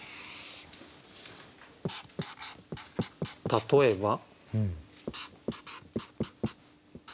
例えば。